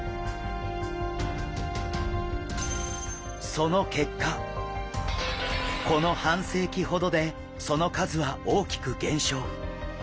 その結果この半世紀ほどでその数は大きく減少。